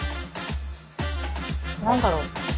何だろう？